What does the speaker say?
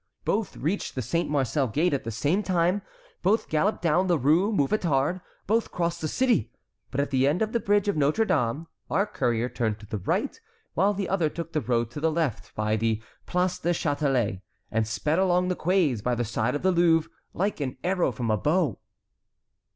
Both reached the Saint Marcel gate at the same time, both galloped down the Rue Mouffetard, both crossed the city. But at the end of the bridge of Notre Dame our courier turned to the right, while the other took the road to the left by the Place du Châtelet, and sped along the quays by the side of the Louvre, like an arrow from a bow."